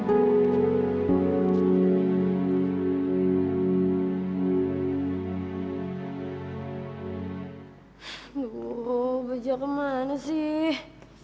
aduh beja ke mana sih